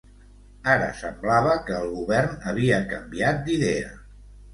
Ara semblava que el Govern havia canviat d'idea